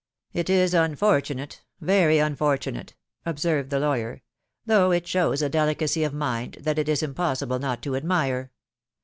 " It is unfortunate, very unfortunate," observed the lawyer, " though it shows a delicacy of mind that it is impossible not to admire.